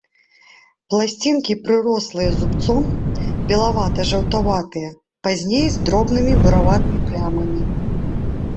Пласцінкі прырослыя зубцом, белавата-жаўтаватыя, пазней з дробнымі бураватымі плямамі.